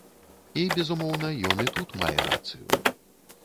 І, безумоўна, ён і тут мае рацыю.